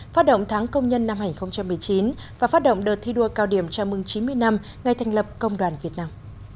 phát động tháng công nhân năm hai nghìn một mươi chín và phát động đợt thi đua cao điểm chào mừng chín mươi năm ngày thành lập công đoàn việt nam